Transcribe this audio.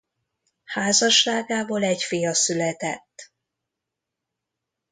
Házasságából egy fia született.